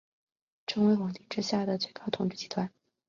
成为皇帝之下的最高统治集团。